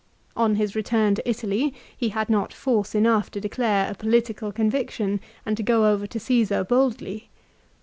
On his return to Italy he had not force enough to declare a political conviction, and to go over to Caesar boldly.